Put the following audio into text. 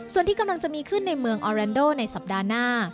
ส่วนที่กำลังจะมีขึ้นในเมืองออแรนโดในสัปดาห์หน้า